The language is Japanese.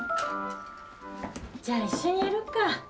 じゃあ一緒にやろっか。